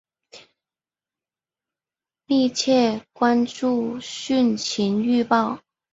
密切关注汛情预报